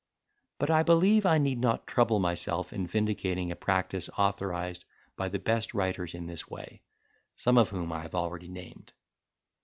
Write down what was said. But I believe I need not trouble myself in vindicating a practice authorized by the best writers in this way, some of whom I have already named.